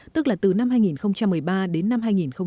tức là từ năm hai nghìn một mươi ba đến năm hai nghìn một mươi bảy